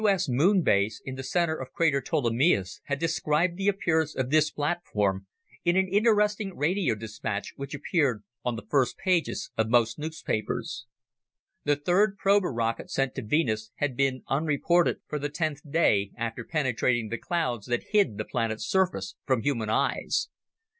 S. Moon Base in the center of the Crater Ptolemaeus had described the appearance of this platform in an interesting radio dispatch which appeared on the first pages of most newspapers. The third prober rocket sent to Venus had been unreported for the tenth day after penetrating the clouds that hid that planet's surface from human eyes.